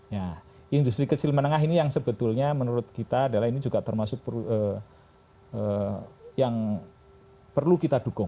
ya industri kecil menengah ini yang sebetulnya menurut kita adalah ini juga termasuk yang perlu kita dukung